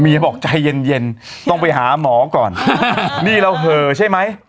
บอกใจเย็นเย็นต้องไปหาหมอก่อนนี่เราเหอะใช่ไหม